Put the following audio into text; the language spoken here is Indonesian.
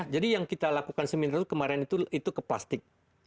jadi yang kita lakukan seminar itu kemarin itu ke plastik